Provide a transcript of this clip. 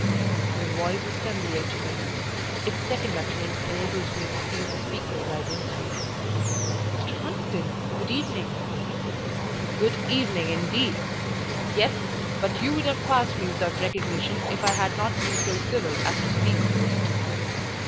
The voice was familiar to me its second utterance enabled me to seize the speaker's identity. "Mr. Hunsden! good evening." "Good evening, indeed! yes, but you would have passed me without recognition if I had not been so civil as to speak first."